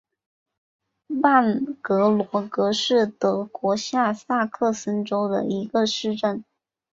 万格罗格是德国下萨克森州的一个市镇。